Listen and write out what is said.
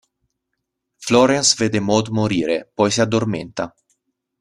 Florence vede Maud morire, poi si addormenta.